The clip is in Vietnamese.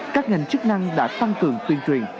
các ngành chức năng đã tăng cường tuyên truyền